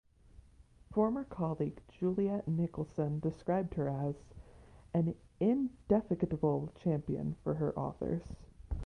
Former colleague Juliet Nicolson described her as "an indefatigable champion for her authors".